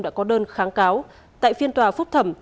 đã có đơn kháng cáo tại phiên tòa phúc thẩm